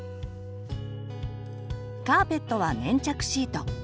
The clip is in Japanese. カーペットは粘着シート。